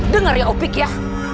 dengar ya opik ya